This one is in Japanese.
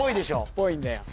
っぽいんだよ